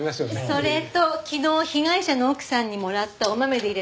それと昨日被害者の奥さんにもらったお豆で入れたコーヒーです。